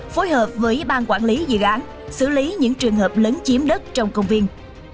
phối hợp với bang quản lý dự án xử lý những trường hợp lớn chiếm đất trong công viên